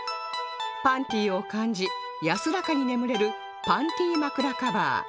パンティを感じ安らかに眠れるパンティまくらカバー